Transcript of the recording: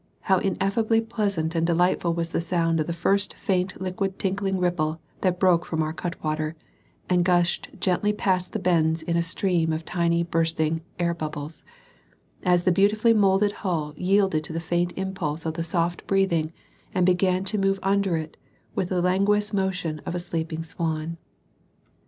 how ineffably pleasant and delightful was the sound of the first faint liquid tinkling ripple that broke from our cutwater, and gushed gently past the bends in a stream of tiny bursting air bells, as the beautifully moulded hull yielded to the faint impulse of the soft breathing and began to move under it with the languorous motion of a sleeping swan!